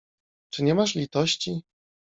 Czy nie masz litości?